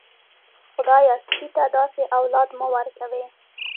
خدايه سپي ته داسې اولاد مه ورکوې.